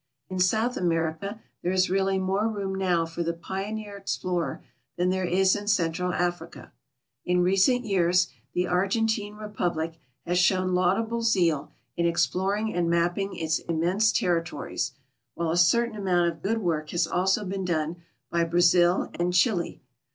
In South America there is really more room now for the pioneer explorer than there is in Central Africa. In recent years the Argentine Repul) lic has shown laudable zeal in exploring and mapping its im mense territories, while a certain amount of good work lias also been done by Brazil and Chile.